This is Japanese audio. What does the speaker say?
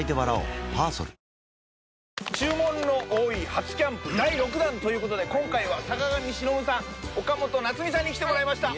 初キャンプ』第６弾という事で今回は坂上忍さん岡本夏美さんに来てもらいました。